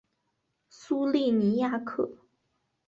苏利尼亚克。